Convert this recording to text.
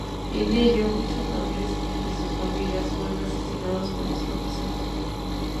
En ello, muchos nobles y sus familias fueron asesinados por los campesinos.